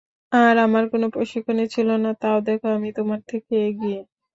আর আমার কোন প্রশিক্ষণই ছিল না, তাও দেখো আমি তোমার থেকে এগিয়ে।